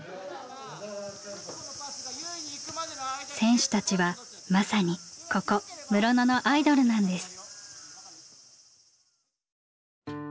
選手たちはまさにここ室野のアイドルなんです。